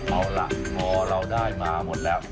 เอาล่ะพอเราได้มาหมดแล้ว